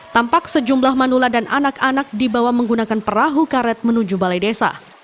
tampak sejumlah manula dan anak anak dibawa menggunakan perahu karet menuju balai desa